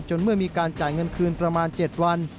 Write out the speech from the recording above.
เมื่อมีการจ่ายเงินคืนประมาณ๗วัน